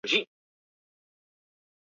出生在庆尚北道庆州市。